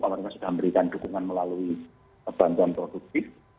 kalau kita sudah memberikan dukungan melalui perbanjuan produktif